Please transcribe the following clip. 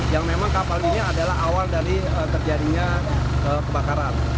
yang memang kapal ini adalah awal dari terjadinya kebakaran